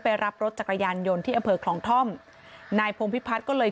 ไปรับรถจักรยานยนต์ที่อเผิกหล่องท่อมนายพงษ์พิพัฒน์ก็เลย